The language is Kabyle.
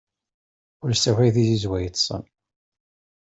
Ur ssakway tizizwa yiṭṭsen!